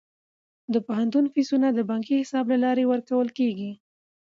د پوهنتون فیسونه د بانکي حساب له لارې ورکول کیږي.